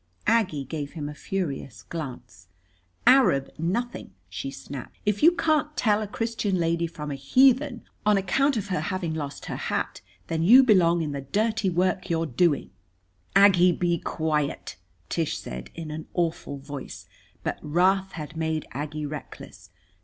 Aggie gave him a furious glance. "Arab nothing!" she snapped. "If you can't tell a Christian lady from a heathen, on account of her having lost her hat, then you belong in the dirty work you're doing." "Aggie, be quiet!" Tish said in an awful voice. But wrath had made Aggie reckless.